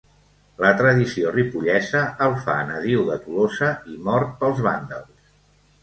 La tradició ripollesa el fa nadiu de Tolosa i mort pels vàndals.